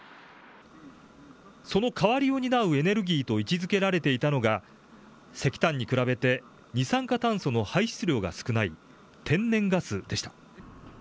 その代わりを担うエネルギーと位置づけられていたのが石炭に比べて二酸化炭素の排出量が少ない天然ガスでした。